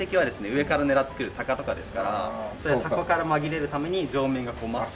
上から狙ってくるタカとかですからタカから紛れるために上面がこう真っ青になってる。